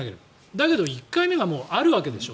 だけど１回目がもうあるわけでしょ。